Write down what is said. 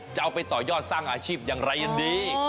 จะเอาไปต่อยอดสร้างอาชีพอย่างไรกันดี